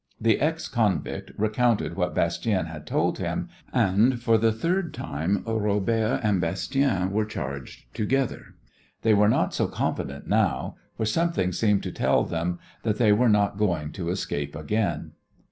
The ex convict recounted what Bastien had told him, and for the third time Robert and Bastien were charged together. They were not so confident now, for something seemed to tell them that they were not going to escape again.